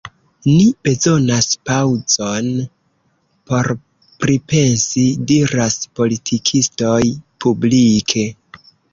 Ni bezonas paŭzon por pripensi, — diras politikistoj publike.